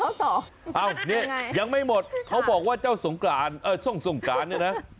เล่าต่อยังไม่หมดเขาบอกว่าเจ้าสงกรานเออสงสงกรานเนี่ยนะ